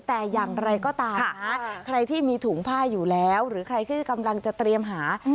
แต่อย่างไรก็ตามนะใครที่มีถุงผ้าอยู่แล้วหรือใครที่กำลังจะเตรียมหา